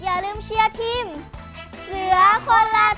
อย่าลืมเชียร์ทีมเสือคนละทั้ง